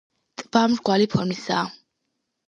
ტბა მრგვალი ფორმისაა.